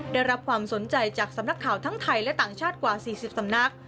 ได้รับความสนใจจากสำนักข่าวทั้งไทยและต่างชาติกว่า๔๐สำนัก